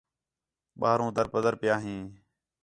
ٻاہروں در بدر پِیا ہین